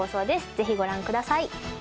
ぜひご覧ください。